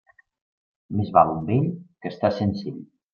Més val un vell que estar sense ell.